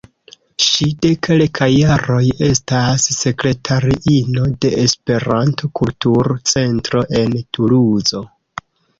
Ŝi de kelkaj jaroj estas sekretariino de Esperanto-Kultur-Centro en Tuluzo.